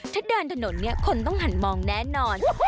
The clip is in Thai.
ถ้าเดินถนนเนี่ยคนต้องหันมองแน่นอน